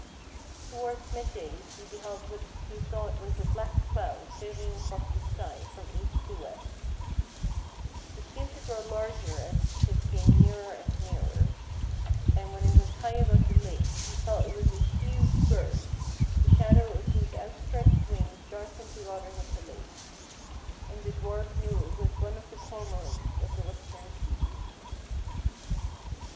Towards midday he beheld what he thought was a black cloud sailing across the sky from east to west, It seemed to grow larger as it came nearer and nearer, and when it was high 164 FAIRY TALES above the lake lie saw it was a huge bird, the shadow of whose outstretched wings darkened the waters of the lake; and the dwarf knew it was one of the Cormorants of the Western Seas.